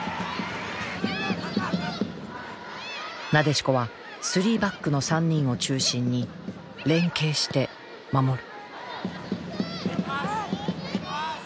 なでしこは３バックの３人を中心に連係して守る。